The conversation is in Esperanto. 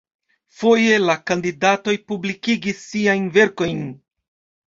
Foje la kandidatoj publikigis siajn verkojn.